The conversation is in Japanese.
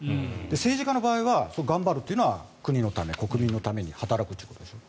政治家の場合は頑張るというのは国のため、国民のため働くということでしょ。